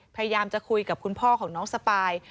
พยายามจะคุยกับคุณพ่อของน้องสปาย